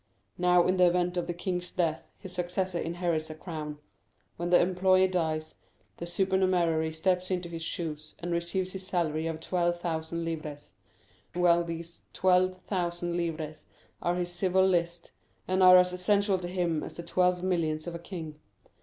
Now, in the event of the king's death, his successor inherits a crown,—when the employee dies, the supernumerary steps into his shoes, and receives his salary of twelve thousand livres. Well, these twelve thousand livres are his civil list, and are as essential to him as the twelve millions of a king.